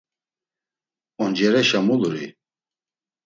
Oncereşa muluri?